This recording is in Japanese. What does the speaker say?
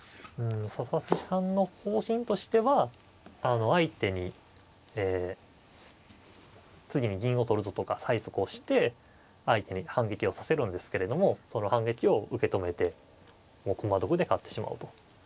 佐々木さんの方針としては相手に次に銀を取るぞとか催促をして相手に反撃をさせるんですけれどもその反撃を受け止めて駒得で勝ってしまおうと。